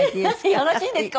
よろしいんですか？